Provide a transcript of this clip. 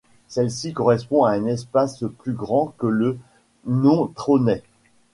Celle-ci correspond à un espace plus grand que le Nontronnais.